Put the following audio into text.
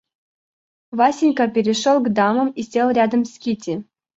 Васенька перешел к дамам и сел рядом с Кити.